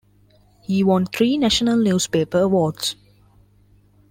He won three National Newspaper Awards.